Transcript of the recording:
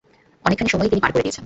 অনেকখানি সময়ই তিনি পার করে দিয়েছেন।